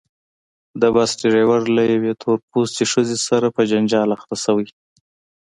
د بس ډریور له یوې تور پوستې ښځې سره په جنجال اخته شوی.